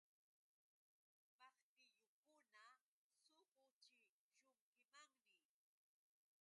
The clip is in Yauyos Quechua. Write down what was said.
Maqtillukuna suquchishunkimanmi.